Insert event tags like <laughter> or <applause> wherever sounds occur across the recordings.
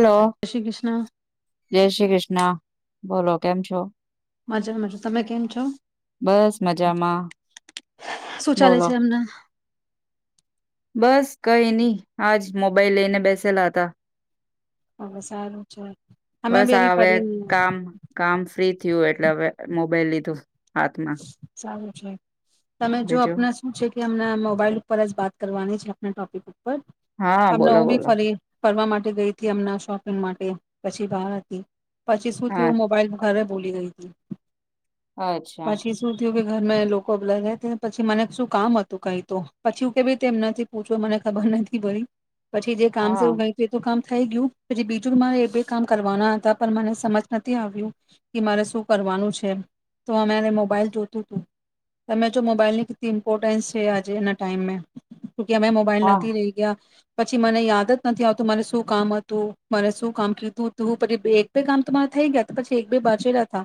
Hello જય શ્રી કૃષ્ણ જય શ્રી કૃષ્ણ. બોલો કેમ છો. મજા મજ તમે કેમ છો બસ મજામાં શું ચાલે બોલો છે એમના બસ કઈ નહી આજ મોબાઈલ લઈને બેસેલા હતા હવે સારું છે. અમે બસ બી આ એવી આવે કરીને કામ કામ ફ્રી થયું એટલે હવે મોબાઈલ લીધું હાથમા. હ્ <unintelligible> તમે જો આપને શું છે કે અમને મોબાઈલ ઉપર જ વાત કરવાની છે. હ ટોપિક હા અમને બોલો હું બી બોલો ફરી ફરવા માટે ગઈ હતી એમના શોપિંગ માટે પછી બાર હતી પછી શું હા થયું મોબાઈલ ઘરે બોલી રહી હતી અચ્છા પછી શું થયું કે ઘર લોકો બલ પછી મને શું કામ હતું કઈ તો પછીું કે ભ તેમ નથી પૂછવું મને ખબર નથી ભી પછી જે કામ હા છેવું ગય છે તો કામ થઈ ગયું પછી બીજું મારે એ બે કામ કરવાના હતા પણ મને સમજ નથી આવ્યું કે મારે શું કરવાનું છે તો અમારે મોબાઈલ જોતું હતું તમે જો મોબાઈલની કેટલી ઇમ્પોર્ટન્સ છે આજે એના ટાઈમમે કકે અમે મ મોબાઈલ હા લાતી રહી ગયા પછી મને યાદ જ નથી આવતું મારે શું કામ હતું મને શું કામ કીધું હતુંું પછી એક બે કામ તો મારે થઈ ગયા પછી એક બે બાચલા હતા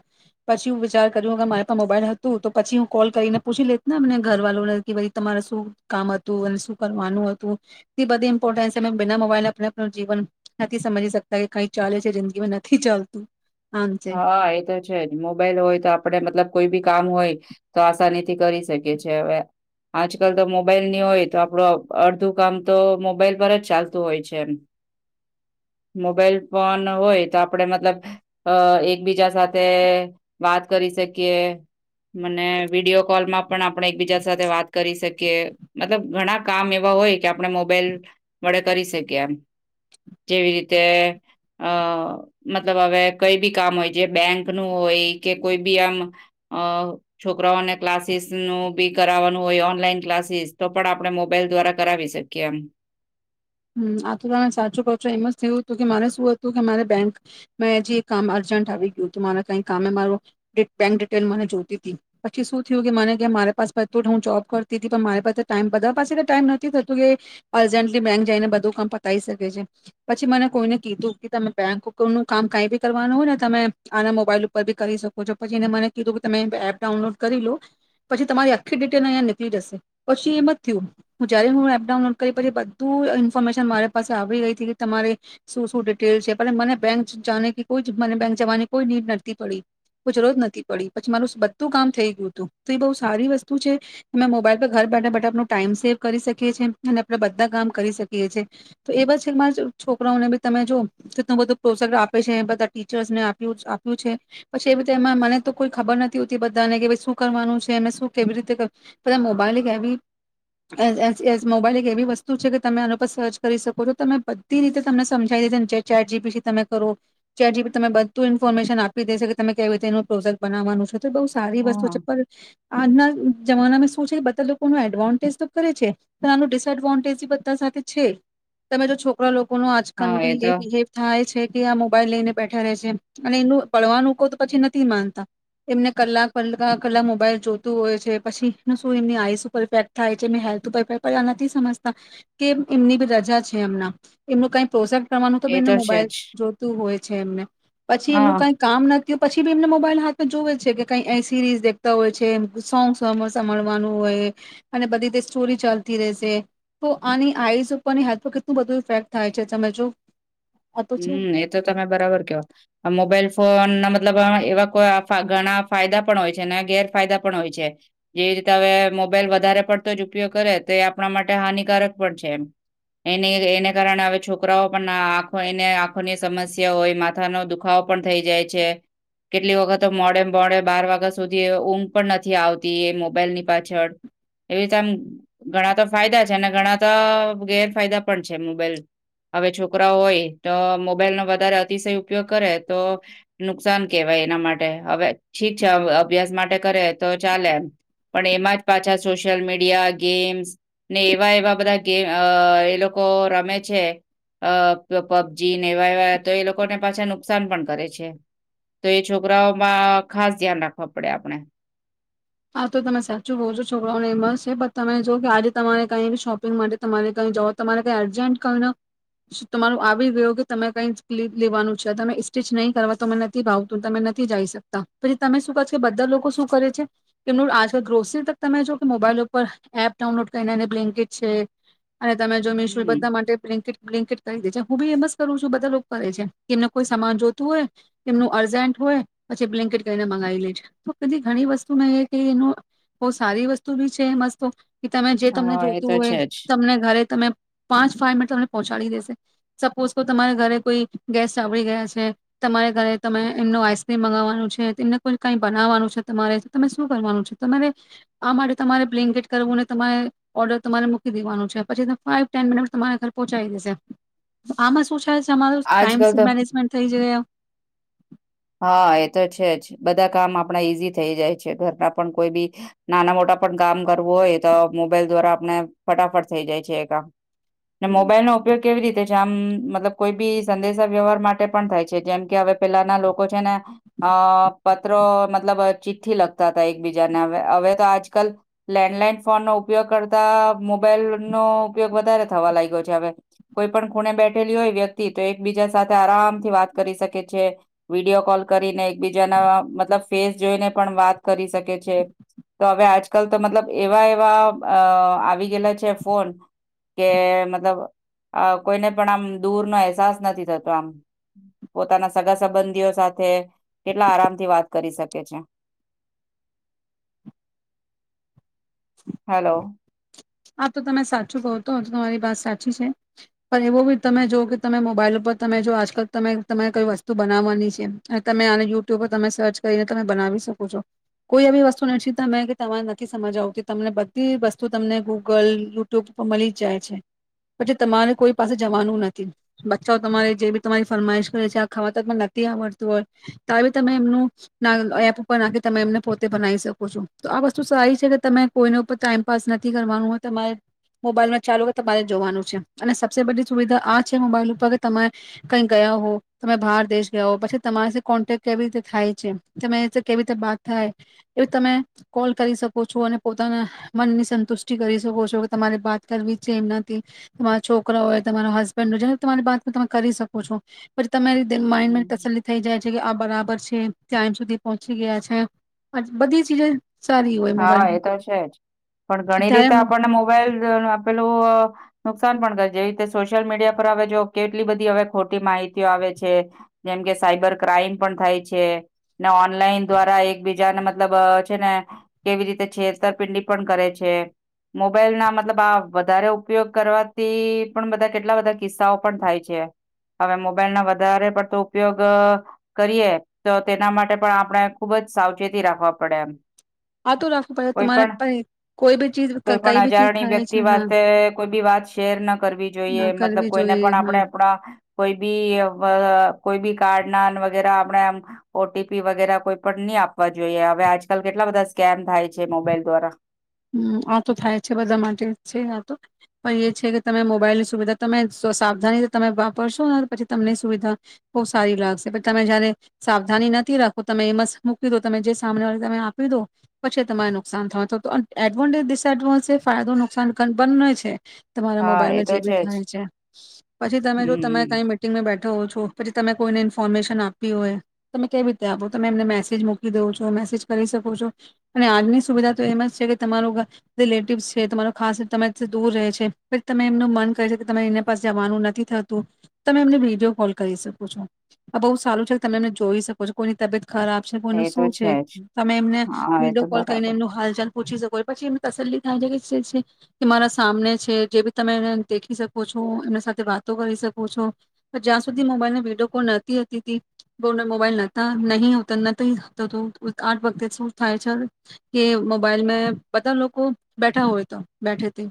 પછી હું વિચાર ્યું મારા પા મોબાઈલ હતું તો પછી હું કોલ કરીને પૂછી લેત ને અને ઘર વાળુંને કે તમારે શું કામ હતું અને શું કરવાનું હતું તે બધી ઇમ્પોર્ટન્ છે અ બના મોબાઈલ આપને જીવન નથી સમજી શકતા કે કઈ ચાલે છે જિંદગીમાં નથી ચાલતું આમ છે હા એ તો છે જ મોબાઈલ હોય તો આપ આપડે મતલબ કોઈ બી કામ હોય તો આસાની થી કરી શકીએ છેએ હવે આજકાલ તો મોબાઈલ ની હોય તો આપડું અડધું કામ તો મોબાઈલ પર જ ચાલતું હોય છે એમ મોબાઈલ ફન હોય તો આપણેે મતલબ અ એકબીજા સાથે વાત કરી શકીએ મને વિડીયો કોલમાં પણ આપણે એકબીજા સાથે વાત કરી શકીએ મતલબ ઘણા કામ એવા હોય કે આપણે મોબાઈલ વડે કરી શકીએ એમ જેવી રીતે અ મતલબ હવે કઈ બી કામ હોય જે બેંક નું હોય કે કોઈ બી આમ છોકરાઓને ક્લાસીસ નું બી કરાવવાનું હોય ઓનલાઈન ક્લાસીસ તો પણ આપણે મોબાઈલ દ્વારા કરાવી શકીએ એમ હ આ તો સાચું કહ છો એમ જ થયું હતું કે મા શું હતું કે મારે બેંક મેં હજી એક કામ અર્જન્ટ આવી ગયું હતું મારા કઈ કમે મા બેંક ડિટેલ મને જોતી હતી પછી શું થયું કે મને મારી પાસે હું જોબ કરતી હતી પણ મારી પાસે ટ બધા પાસે ટાઈમ નથી થતોું કે અર્જન્ટલી બેક જેને બધું કામ પતાઈ શકે છે પછી મને કોઈને કીધું કે તમે બેંકરનુંું કામ કઈ બી કરવાનું હોય ને તમે આના મોબાઈલ ઉપર બી કરી શકો છો પછી એને મને કીધું તમે એપ ડાઉનલોડ કરી લો પછી તમારી આખી ડિટેલ અહીંયા નીકળી જશે પછી એમ જ થયું જયારે હું એપ ડાઉનલોડ કરી પછી બ ઇન્ફોર્મેશન મારે પાસે આવી ગઈ હતી કે તમારે શું શું ડિટેલ છે પણ મને બેંક જાને કોઈ મને બેંક જવાની કોઈ નીડ નથી પડી કો જરૂર નથી પડી પછી મારું બધું કામ થઈ ગયું હતું તો એ બહુ સારી વસ્તુ છે અમે મોબાઈલ પર ઘર બેઠા બેઠા આપ ટાઈમ સેવ કરી શકીએ છીએ અને આપણેે બધા કામ કરી શકીએી તો એ બધ મા છોકરાઓને બી તમે જો કેટલું બધું પ્રોત્સાક આપે છે બધા ટીચર્સને આપ આપ્યું છે પછી એીતેમાં મને તો કોઈ ખબર નથી હોતી બધાને કે શું કરવાનું છે શું કેવી રીતેા મોબાઈલ એ મોબાઈલ એવી વસ્તુ છે તમે આના પર સર્ચ કરી શકો છો તમે બધી રીતે તમને સમજી દેશે ને જે ચેટ જીથી તમે કરો ચેટ જીબીથી તમે બધું ઇન્ફોર્મેશન આપી દેશે કે તમે કેવી રીતે એનું પ્રોસેેક્ટ બનાવાનું છે બહુ સારી વસ્તુ હા છે પણ આના જમાનામાં શું છે કે બધા લોકો ન એડવાન્ટેજ તો કરે છે પણ ડિસએડવાન્ટેજ સાથે છે તમે જો છોકરા લોકો આજકલ હા બ એ તો બિવ થાય છે કે આ મોબાઈલ લઈને બેઠા રહે છે અને એનું પડવાનું કો પછી નથી માનતા એમને કલાક કલા કલાક મોબાઈલ જોતું હોય છે પછી શું એમની આઈસ ઉપર ઇફેક્ટ થાય છે એ હેલ્થ ઉપર ઇફેક્ટ પ આ નથી સમજતા કે એમનીી રજા છે એમના એમનું કઈ પ્રોસેક્ટ કરવાનું તો એ બેને છે મોબાઈલ જ જોતું હોય છે એમને પછી હા એમનું કઈ કામ નથી તો પછી બી એમને મોબાઈલ હાથમાં જોવે જ છે કે કઈ અ સીરીઝ દેતા હોય છે સોંગ્સ મળવાનું હોય અને બધી રી સ્ટોરી ચાલતી રહેશે તો અનેની આઈઝ ઉપરની હેલ્થ પર કેટલું બધું ઇફેક્ટ થાય છે તમે જો આ તો છે હમ એ તો તમે બરાબર કેવા આ મોબાઈલ ફોન મતલબ એવા કો ઘણા ફાયદા પણ હોય છે ગેરફાયદા પણ હોય છે જેવી રીતે હવે મોબાઈલ વધારે પડતો જ ઉપયોગ કરે તો એ આપણા માટે હાનિકારક પણ છે એ એની એને કારણે હવે છોકરાઓ પણ કોઈને આંખો ની સમસ્યા હોય માથાનો દુખાવો પણ થઈ જાય છે કેટલી વખત મોડે મોડે બાર વાગ્યા સુધી ઊંઘ પણ નથી આવતી એ મોબાઈલ ની પાછળ એવીતેમ ગણા તો ફાયદા છે અને ઘણાતા ગેરફાયદા પણ છે મોબાઈલ હવે છોકરાઓ હોય તો મોબાઈલ નો વધારે અતિશય ઉપયોગ કરે તો નુકસાન કેવાય એના માટે હવે ઠીક છે અભ્યાસ માટે કરે તો ચાલે એમ પણ એમાં જ પાછા સોશિયલ મીડિયા ગેમ્સ ને એવા એવા બધા ગેમ એ લોકો રમે છે અ તો પબજી ને એવા એવા તો એ લોકોને પાછા નુકસાન પણ કરે છે તો એ છોકરાઓમાં ખાસ ધ્યાન રાખવા પડે આપણેે હા તો તમે સાચું બહ છો છોકરાઓને એ મસ છે બ તમે જો કે આજે તમારે કઈ શોપિંગ માટે તમારે કઈ જઓ તમારે કઈ અર્જન્ટ કઈ ન તમારું આવી ગયું કે તમે કઈ લેવાનું છે તમે સ્ટીચ નહીં કરવા તો તમે નથી ભાવતું તમે નથી જઈ શકતા પછી તમે શું કરશો કે બધા લોકો શું કરે છે કેમનું આજકાલ ગ્રોસરી તક તમે જો કે મોબાઈલ ઉપર એપ ડાઉનલોડ કરીનેને બ્લેન્કેજ છે અને તમે જો મિશું હમ બધા માટેટ કરી દેજો હું બી એમ જ કરું છું બધા લોકો કરે છે કેમને કોઈ સમાન જોતું હોય એમનું અર્જન્ટ હોય પછી બ્લેન્કેટ કને મગાવી લેજ તો બધી ઘણી વસ્તુ મેં એ એનું બહ સારી વસ્તુ બી છે મસ્ત કે તમે જે તમને હા એ જોતું તો હોય છે જ તમને ઘરે તમે પાંચ ફાઈ મિટર તમને પહોંચાડી દેશે સપોઝ કો તમારે ઘરે કોઈ ગેસ્ટ આવડી ગયા છે તમારે ઘરે ત એમનું આઈસક્રીમ મગાવવાનું છે એમને કોઈ કઈ બનાવવાનું છે તમારે તમે શું કરવાનું છે તમારે આ માટે તમારે બ્લેન્કેટ કરવું અનેને તમારે ઓર્ડર તમારે મૂકી દેવાનું છે પછી ફાાઈવ ટેન મિનિટ તમારે ઘરે પહોંચી દેશે આમાં શું થાય રો ટાઈમ આજકાલ તો મેનેજમેન્ટ થઈ જયા હા એ તો છે જ બધા કામ આપણા ઈઝી થઈ જાય છે ઘરના પણ કોઈ બી નાના મોટા પણ કામ કરવું હોય તો મોબાઈલ દ્વારા આપણે ફટાફટ થઈ જાય છે એ કામ અને મોબાઈલ નો ઉપયોગ કે રીતે આમ મતલ કોઈ બી સંદેશા વ્યવહાર માટે પણ થાય છે જેમ કે હવે પેલાના લોકો કોછનાને અ પત્ર મતલબ ચિઠ્ઠી લખતા હતા એકબીજાને હવે હવે તો આજકાલ લેન્ડલાઈન ફોન નો ઉપયોગ કરતા મોબાઈલ નો ઉપયોગ વધારે થવા લાગ્યો છે હવે કોઈ પણ ખૂણે બેઠેલી હોય વ્યક્તિ તો એકબીજા સાથે આરામથી વાત કરી શકે છે વિડીિયો કોલ કરીને એકબીજાના મતલબ ફેસ જોઈને પણ વાત કરી શકે છે તો હવે આજકાલ તો મતલબ એવા એવા આવી ગયલા છે ફોન કે મતલબ કોઈને પણ આમ દૂર નો અહેસાસ નથી થતો આમ પોતાના સગસ સંબંધીઓ સાથે કેટલા આરામથી વાત કરી શકે છે હલો આ તો તમે સાચું કહો તો તો તમારી વાત સાચી છે પણ એવું બી તમે જો કે તમે મોબાઈલ ઉપર તમે જો આજકાલ તમે તમારે કઈ વસ્તુ બનાવવાની છે અને તમે આ યુટ્યુબ પર તમે સર્ચ કરીને તમે બનાવી શકો છો કોઈ એવી વસ્તુ નથી તમે કે તમારે નથી સમજ આવતી તમને બધી વસ્તુ તમને ગ ગૂગલ યુટ્યુબ ઉપ મળી જ જાય છે પછી તમારે કોઈ પાસે જવાનું નથી બચ્ચાઓ તમારે જે બી તમારી ફરમાઈશ કરે છે આ ખવાતમાં નથી આવડતું હોય ત બી તમે એમનું એપ ઉપર નાખી તમે એમને પોતે બનાવી શકો છો તો આ વસ્તુ સારી છે કે તમે કોઈને ઉપર ટાઈમ પાાસ નથી કરવાનું હોય તમારે મોબાઈલમાં ચાલુ હો તમારે જોવાનું છે અને સબસે બધી સુવિધા આ છે મોબાઈલ ઉપર કે તમે કઈ ગયા હો તમે બહાર દેશ ગયા હો પછી તમારી કોન્ટેક કેવી રીતે થાય છે તમે કેવી રીતે બાત થાય એવી તમે કોલ કરી શકો છો અને પોતાના મનની સંતુષ્ટિ કરી શકો છો કે તમારે વાત કરવી છે એમ નથી તમારા છોકરા હોય તમારો હસબન્ડ હોય જેને તમારી વાત તમે કરી શકો છો પછી તમારી માઇન્ડ હમ તસલી થઈ જાય છે કે આ બરાબર ખર છે તમ સુધી પહોંચી ગયા છે બધી ચીજે હા એ તો છે જ પણ ઘણી ત્યારે રીતે મો આપ મોબાઈલ પેલું નુકસાન પણ કરે જેવી રીતે સોશિયલ મીડિયા પર હવે જો કેટલી બધી હવે ખોટી માહિતીઓ આવે છે જેમ કે સાયબર ક્રાઈમ પણ થાય છે ને ઓનલાઈન દ્વારા એકબીજાને મતલબ છે ને કેવી રીતે છેતરપિંડી પણ કરે છે મોબાઈલ ના મતલબ આ વધારે ઉપયોગ કરવાથી પણ બધા કેટલા બધા કિસ્સાઓ પણ થાય છે હવે મોબાઈલ ના વધારે પડતો ઉપયોગ કરીએ તો તેના માટે પણ આપણે ખુબ જ સાવચેતી રાખવા પડે એમ આ તો રાખવું પડે કોઈ તમારે પણ પ કોઈ બી ચીજ કોઈ પણ કઈ બી ચીજ અજારણી થાય વ્યક્તિ છે હા વાતે કોઈ બી વાત શેર ના કરવી જોઈએ ના મતલબ કરવી કોઈને જોઈએ પણ હા આપણે આપણા કોઈ બી કોઈ બી કાર્ડ ના વગેરે આપણે એમ ઓટીપી વગેરે કોઈ પણ નહી આપવા જોઈએ હવે આજકાલ કેટલા બધા સ્કેન થાય છે મોબાઈલ દ્વારા હમ આ તો થાય છે બધા માટે છે આ તો પણ એ છે કે તમે મોબાઈલની સુવિધા તમે સાવધાની તમે વાપરશો ને પછી તમને સુવિધા બહુ સારી લાગશે પણછી તમે જયારે સાવધાની નથી રાખો તમે એમાંસ્ત મૂકી દો તમે જે સામન વાળી તમે આપી દો પછી તમારે નુકસાન થવા એડવાોન્ટેજ ડિસડવા ફાયદો નુકસાન બ છે તમારા હા એ મોબાઈલમાં તો જે બી જ થાય છે પછી તમે જો તમે હમ કઈ મીટિંગમાં બેઠ ઠો છો પછી તમે કોઈને ઇન્ફોર્મેશન આપી હોય તમે કેવી રીતે આપો તમે એમને મેસેજ મૂકી દો છો મેસેજ કરી શકો છો અને આજની સુવિધા તો એમ જ છે કે તમારું રિલેટિવસ છે તમારો ખાસ તમારી દૂર રહે છે તમે એમનું મન કર છે કે તમારે એના પાસે જવાનું નથી થતું તમે એમને વિડીયો કોલ કરી શકો છો આ બહુ સારું છે કે તમે એમને જોઈ શકો છો કોઈની તબિયત ખરાબ છે બનું એ તો શું છે જ તમે એમને હા એ વિડીયો તો કોલ કરીને બરાબર એમનું હાલચાલ પછી એને તસલી થાય જાય કે મારા સામને છે જે બી તમે એ દેખી શકો છો એમના સાથે વાતો કરી શકો છો જ્યાં સુધી મોબાઈલને વિડીયો કોલ નહતીતી બ મોબાઈલતા નહી નથી આઠ વખતે શું થાય છે કે મોબાઈલ મે બતા લોકો બેઠા હોય તો બેઠે તબ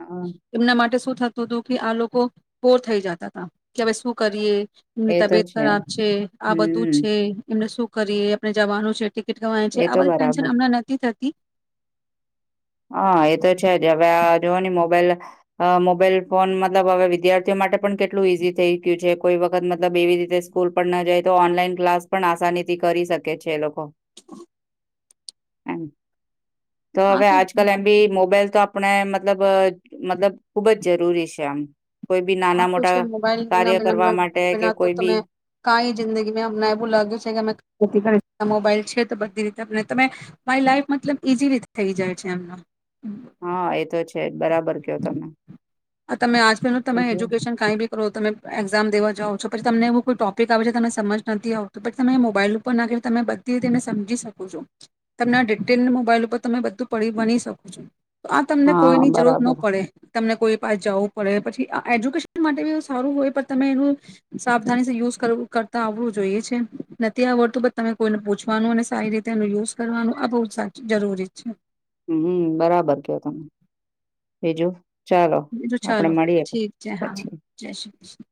હ એમના માટે શું થતું હતું કે આ લોકો કોર થઈ જતા હતા કે હવે શું કરીએ એમની એ તો તબિયત ખરાબ છે આ બધું હમ છે એમને સુખ કરી આપણે જવાનું છે. ટિકિટ કમાવા છે એ તો બરાબર આન નથી. હા એ તો છે જ હવે જોવા મોબાઈલ મોબાઈલ ફોન મતલબ હવે વિદ્યાર્થીઓ માટે પણ કેટલું ઈઝી થઈ ગયું છે. કોઈ વખત મતલબ એવી રીતે સ્કૂલ પણ ન જાય, તો ઓનલાઈન ક્લાસ પણ આસાની થી કરી શકે છે લોકો કો હમ્મ. તો હવે આજ કલે મોબાઈલ તો આપણે મતલબ મતલબ ખુબ જ જરૂરી છે આમ કોઈ બી હા નાના તો છે મોટા કાર્ય મોબાઈલનાના કરવા માટે બના કે તો કોઈ તમે બી કાઈ જિંદગી મે હમણા એવું લાગ્યું છે કે અમે ખ કરી. મોબાઈલ છે તો બધી રીતે તમે માય લાઈફ મતલબ ઈઝી રીતે થઈ જાય છે એમનો હા એતો છે બરાબર કયો તમે મે બીજું એજ્યુકેશન કઈ બી કરો તમે એક્ઝામ દેવા જઓ. છો પછી તમને એવું કોઈ ટોપિક આવે છે તમને સમજ નથી આવત પછીમે મોબાઈલ ઉપર નાખી તમે બધી એને સમજી શકો છો તમને ડિટેલ મોબાઈલ ઉપર તમે બધું પડી બની શકો છો. આ તમને હા કોઈની જરૂર ન બરાબર પડે તમને કોઈ પા જવું પડે પછી. આ એજ્યુકેશન માટે બી સારું હોય પણ તમે એનું સાવધાની યુઝવ કરતા આવડું જોઈએ છે નથી આવડતું પણ તમે કોઈને પૂછવાનું અને સારી રીતે એનું યુઝ કરવાનું આ બહુ જરૂરી છે. હમ બરાબર કયો તમે બીજું ચાલો તો આપડે ચાલો મળીએ ઠીક છે. હા પછી જય શ્રી કૃષ્ણ.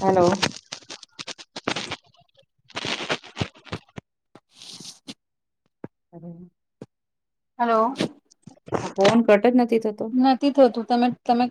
હલો. અરે આ હલો. ફોન કટત નથી થતું તમે તમે